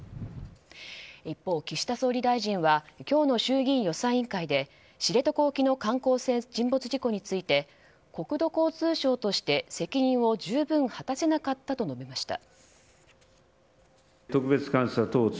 一方、岸田総理大臣は今日の衆議院予算委員会で知床沖の観光船沈没事故について国土交通省として責任を十分果たせなかったと述べました。